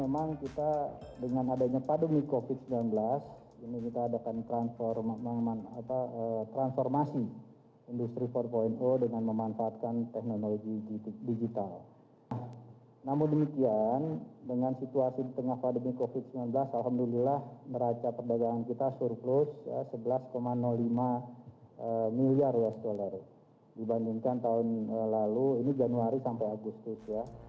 meraca perdagangan kita surplus sebelas lima miliar usd dibandingkan tahun lalu ini januari sampai agustus